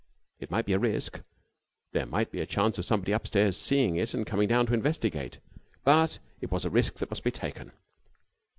It might be a risk: there might be a chance of somebody upstairs seeing it and coming down to investigate: but it was a risk that must be taken.